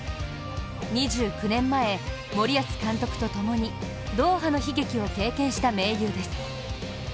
２９年前、森保監督とともにドーハの悲劇を経験した盟友です。